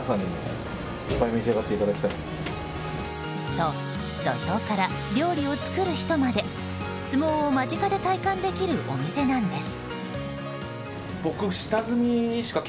と、土俵から料理を作る人まで相撲を間近で体感できるお店なんです。